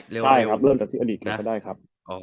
ใช่ครับเริ่มจากที่อดีตเคยได้ครับ